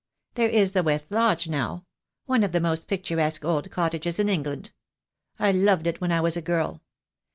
There is the West Lodge, now — one of the most picturesque old cottages in England. I loved it when I was a girl.